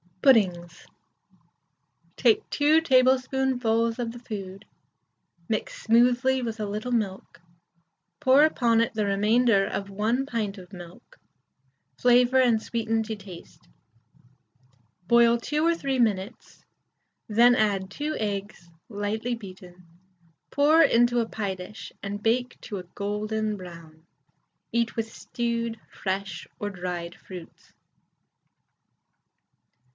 PUDDINGS. Take 2 tablespoonfuls of the food, mix smoothly with a little milk, pour upon it the remainder of 1 pint of milk, flavour and sweeten to taste; boil 2 or 3 minutes, then add 2 eggs lightly beaten, pour into a pie dish, and bake to a golden brown. Eat with stewed, fresh, or dried fruits.